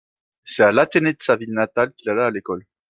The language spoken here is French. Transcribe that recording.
C'est à l'Athénée de sa ville natale qu'il alla à l'école.